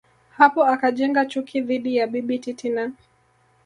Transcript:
hapo akajenga chuki dhidi ya Bibi Titi na